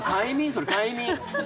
それ、快眠。